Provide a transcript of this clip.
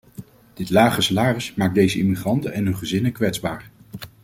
Dit lage salaris maakt deze immigranten en hun gezinnen kwetsbaar.